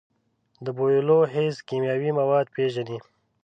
د بویولو حس کیمیاوي مواد پېژني.